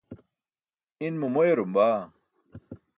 Inmo moyarum baa.